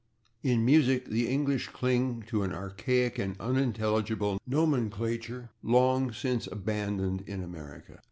In music the English cling to an archaic and unintelligible nomenclature, long since abandoned in America.